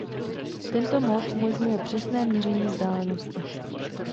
Tento mód umožňuje přesné měření vzdáleností.